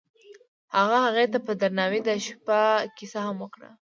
هغه هغې ته په درناوي د شپه کیسه هم وکړه.